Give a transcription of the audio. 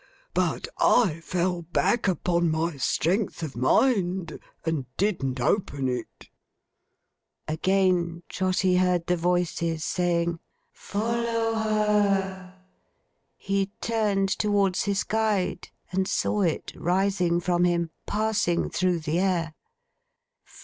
But, I fell back upon my strength of mind, and didn't open it!' Again Trotty heard the voices saying, 'Follow her!' He turned towards his guide, and saw it rising from him, passing through the air.